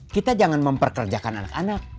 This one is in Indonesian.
kita jangan memperkerjakan anak anak